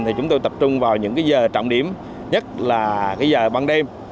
thì chúng tôi tập trung vào những giờ trọng điểm nhất là giờ ban đêm